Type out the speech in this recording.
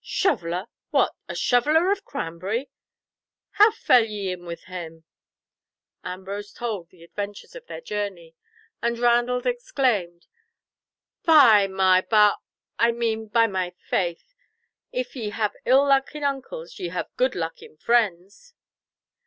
"Shoveller—what, a Shoveller of Cranbury? How fell ye in with him?" Ambrose told the adventures of their journey, and Randall exclaimed "By my bau—I mean by my faith—if ye have ill luck in uncles, ye have had good luck in friends."